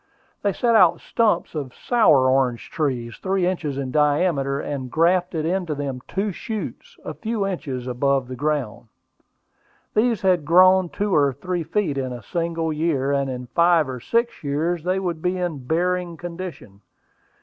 They set out stumps of sour orange trees, three inches in diameter, and graft into them two shoots, a few inches above the ground. These had grown two or three feet in a single year, and in five or six years they would be in bearing condition.